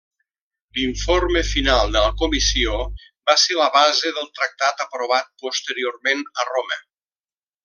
L'informe final de la Comissió va ser la base del Tractat aprovat posteriorment a Roma.